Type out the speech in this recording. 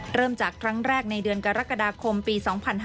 เริ่มจากครั้งแรกในเดือนกรกฎาคมปี๒๕๕๙